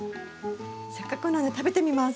せっかくなので食べてみます。